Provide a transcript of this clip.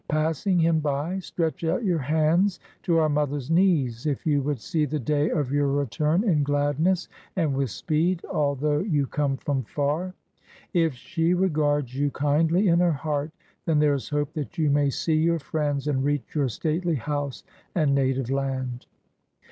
Passing him by, stretch out your hands to our mother's knees, if you would see the day of your return in gladness and with speed, although you come from far. If she regards you kindly in her heart, then there is hope that you may see your friends and reach your stately house and native land."